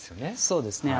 そうですね。